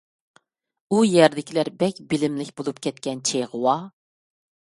ئۇ يەردىكىلەر بەك بىلىملىك بولۇپ كەتكەن چېغىۋا.